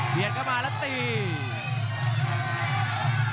เปลี่ยนเข้ามาแล้วตี